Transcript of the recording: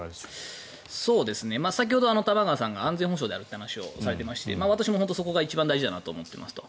先ほど玉川さんが安全保障であるという話をされていまして私もそこが一番大事だと思っていますと。